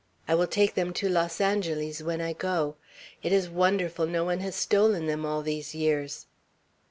I will take them to Los Angeles when I go. It is wonderful no one has stolen them all these years!"